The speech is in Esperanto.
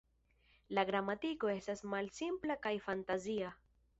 La gramatiko estas malsimpla kaj fantazia.